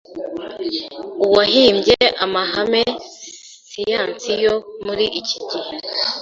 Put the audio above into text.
uwahimbye amahame siyansi yo muri iki gihe